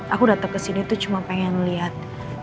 aku dateng kesini tuh cuma pengen liat